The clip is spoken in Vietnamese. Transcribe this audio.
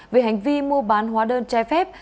về hành vi mua bán hóa đơn trai phép